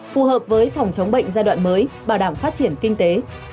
phù hợp với phòng chống bệnh giai đoạn mới bảo đảm phát triển kinh tế